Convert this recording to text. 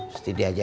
pasti diajarin aja